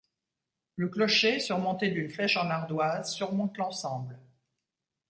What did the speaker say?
Le clocher, surmonté d'une flèche en ardoise, surmonte l'ensemble.